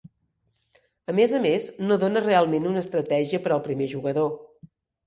A més a més no dóna realment una estratègia per al primer jugador.